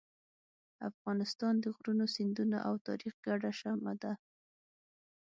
افغانستان د غرونو، سیندونو او تاریخ ګډه شمع ده.